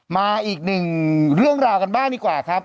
มาอีกหนึ่งเรื่องราวกันบ้างดีกว่าครับ